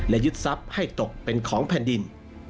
และยึดทรัพย์ให้ตกเป็นของแผ่นดิน